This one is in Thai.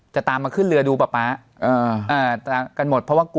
จะตามมาขึ้นเรือดูป